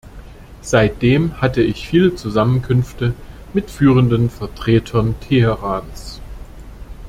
Seitdem hatte ich viele Zusammenkünfte mit führenden Vertretern Teherans.